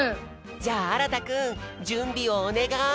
じゃああらたくんじゅんびをおねがい。